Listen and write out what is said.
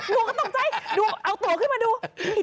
หนูก็ตกใจดูเอาโตขึ้นมาดู